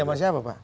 zaman siapa pak